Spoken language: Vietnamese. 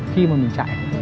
khi mà mình chạy